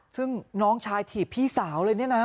ซึ่งน้องชายถีบพี่สาวเลยเนี่ยนะ